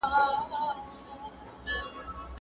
زه به کتابتون ته تللي وي؟!